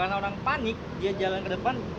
karena orang panik dia jalan ke depan